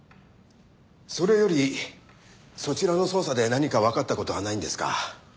それよりそちらの捜査で何かわかった事はないんですか？